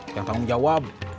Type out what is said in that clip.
yang tanggung jawab